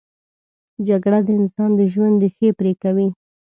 جګړه د انسان د ژوند ریښې پرې کوي